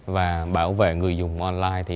và bảo vệ người dùng online